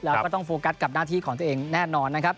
แล้วก็ต้องโฟกัสกับหน้าที่ของตัวเองแน่นอนนะครับ